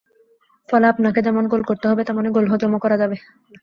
ফলে আপনাকে যেমন গোল করতে হবে, তেমনি গোল হজমও করা যাবে না।